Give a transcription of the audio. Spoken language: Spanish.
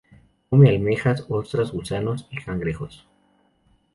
Come almejas, ostras, gusanos y cangrejos.